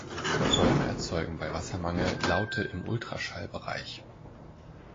Bäume erzeugen bei Wassermangel Laute im Ultraschallbereich.